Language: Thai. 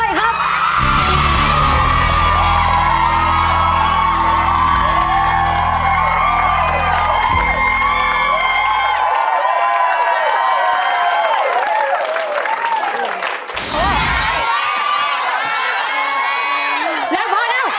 แล้วพอแล้ว